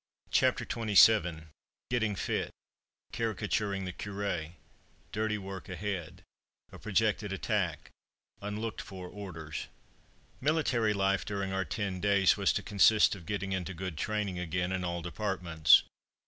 CHAPTER XXVII GETTING FIT CARICATURING THE CURÉ "DIRTY WORK AHEAD" A PROJECTED ATTACK UNLOOKED FOR ORDERS Military life during our ten days was to consist of getting into good training again in all departments.